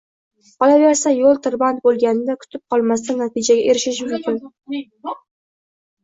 qolaversa, yoʻl tirband boʻlganda kutib qolmasdan natijaga erishish mumkin.